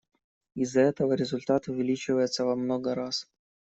Из-за этого результат увеличивается во много раз.